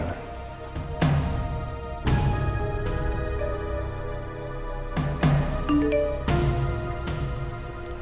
aku mau ke rumah